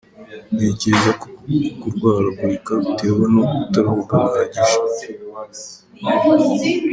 Ntekereza ko kurwaragurika biterwa no kutaruhuka bihagije.